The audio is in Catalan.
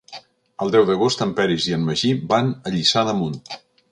El deu d'agost en Peris i en Magí van a Lliçà d'Amunt.